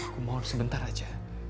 aku mohon sebentar aja